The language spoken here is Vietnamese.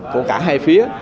của cả hai phía